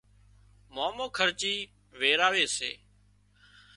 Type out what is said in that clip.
مامو خرچي ويراوي سي